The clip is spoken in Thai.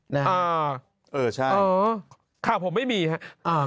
นะฮะเออใช่ข่าวผมไม่มีครับ